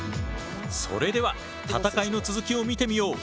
それでは戦いの続きを見てみよう！